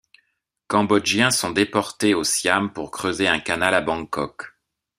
Cambodgiens sont déportés au Siam pour creuser un canal à Bangkok.